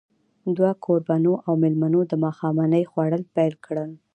دوه کوربانو او مېلمنو د ماښامنۍ خوړل پيل کړل.